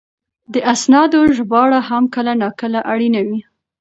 د اسنادو ژباړه هم کله ناکله اړینه وي.